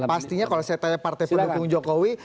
pastinya kalau saya tanya partai pendukung jokowi